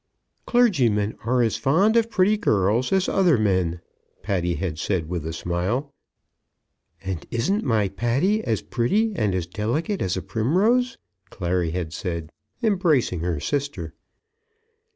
"Clergymen are as fond of pretty girls as other men," Patty had said, with a smile. "And isn't my Patty as pretty and as delicate as a primrose?" Clary had said, embracing her sister.